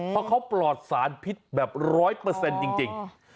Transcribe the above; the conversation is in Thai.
เพราะเขาปลอดสารพิษแบบ๑๐๐จริง